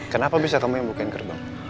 kenapa bisa kamu yang bukain gerbang